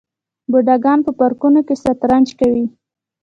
بوډاګان په پارکونو کې شطرنج کوي.